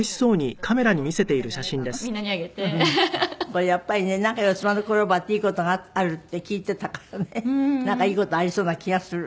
これやっぱりねなんか四つ葉のクローバーっていい事があるって聞いていたからねなんかいい事ありそうな気がする。